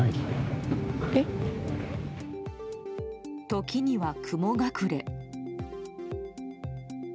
時には雲隠れ。